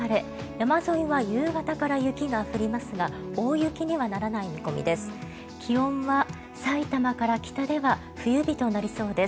山沿いは夕方から雪が降りますが大雪にはならない見込みです。